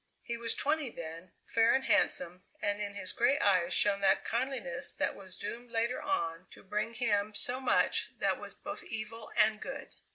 He was twenty then, fair and handsome, and in his gray eyes shone that kindliness that was doomed later on to bring him so much that was both evil and good.